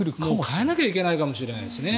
変えなきゃいけないかもしれないですね。